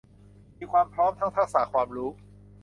มีความพร้อมทั้งทักษะความรู้